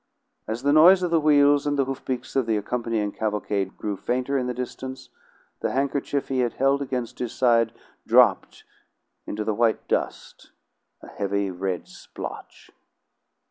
As the noise of the wheels and the hoof beats of the accompanying cavalcade grew fainter in the distance, the handkerchief he had held against his side dropped into the white dust, a heavy red splotch.